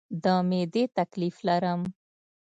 د معدې تکلیف لرم